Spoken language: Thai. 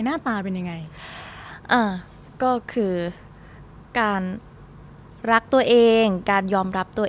หน้าตาเป็นยังไงอ่าก็คือการรักตัวเองการยอมรับตัวเอง